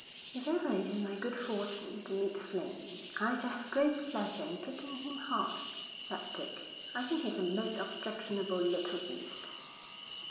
"' 'If ever it is my good fortune to meet Fleming, I shall have great pleasure in kicking him hard,' said Dick. 'I think he's a most objectionable little beast.'